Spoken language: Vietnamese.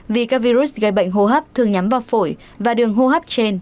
vì các virus gây bệnh hô hấp thường nhắm vào phổi và đường hô hấp trên